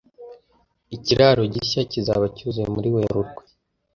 Ikiraro gishya kizaba cyuzuye muri Werurwe.